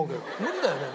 無理だよね？